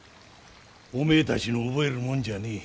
お前たちの覚えるもんじゃねえ。